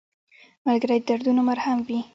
ملګری د دردونو مرهم وي